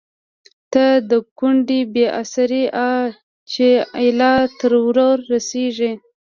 يا َد کونډې بې اسرې آه چې ا يله تر ورۀ رسيږي